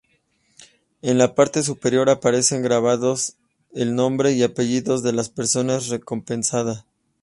En la parte superior aparecen grabados el nombre y apellidos de la persona recompensada.